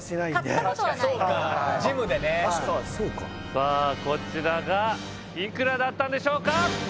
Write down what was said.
確かにそうかさあこちらがいくらだったんでしょうか？